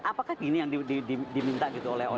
apakah gini yang diminta gitu